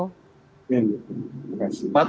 amin terima kasih